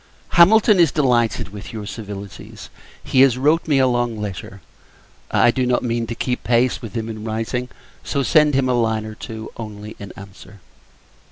Hamilton is delighted with your civilities. He has wrote me a long letter. I do not mean to keep pace with him in writing; so, send him a line or two, only, in answer.